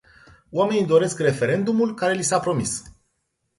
Oamenii doresc referendumul care li s-a promis.